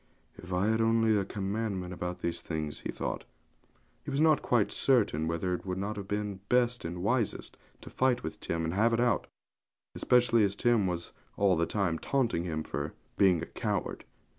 'If I had only a commandment about these things!' he thought. He was not quite certain whether it would not have been best and wisest to fight with Tim and have it out; especially as Tim was all the time taunting him for being a coward.